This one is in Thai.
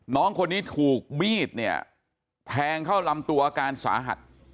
น้องคนนี้ถูกมีดเนี่ยแทงเข้าลำตัวอาการสาหัส